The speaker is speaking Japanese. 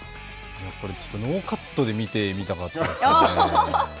やっぱりちょっとノーカットで見てみたかったですね。